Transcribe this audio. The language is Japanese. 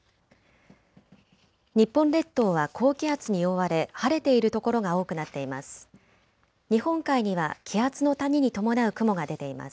日本列島は高気圧に覆われ晴れている所が多くなっています。